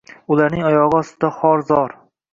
Ularning oyog’i ostida xor-zor